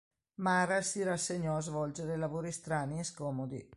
Mara si rassegnò a svolgere lavori strani e scomodi.